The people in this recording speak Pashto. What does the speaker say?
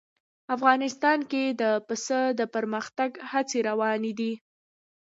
افغانستان کې د پسه د پرمختګ هڅې روانې دي.